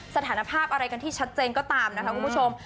สถานภาพอะไรกันที่ชัดเจนก็ตามนะคะคุณผู้ชม